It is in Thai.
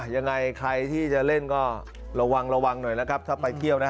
ยังไงใครที่จะเล่นก็ระวังระวังหน่อยนะครับถ้าไปเที่ยวนะฮะ